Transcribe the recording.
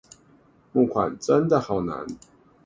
募款真的好難